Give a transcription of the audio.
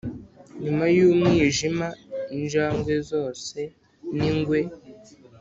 nyuma y'umwijima injangwe zose ni ingwe